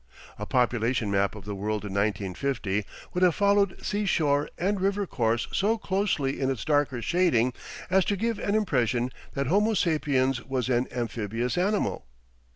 A population map of the world in 1950 would have followed seashore and river course so closely in its darker shading as to give an impression that homo sapiens was an amphibious animal.